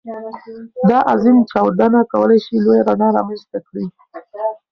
دا عظيم چاودنه کولی شي لویه رڼا رامنځته کړي.